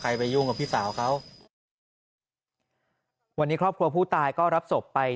ไปยุ่งกับพี่สาวเขาวันนี้ครอบครัวผู้ตายก็รับศพไป